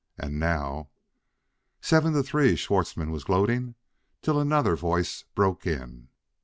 And now "Seven to three!" Schwartzmann was gloating till another voice broke in.